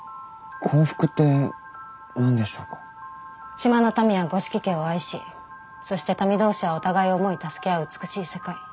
島の民は五色家を愛しそして民同士はお互いを思い助け合う美しい世界。